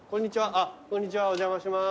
あっこんにちはお邪魔します。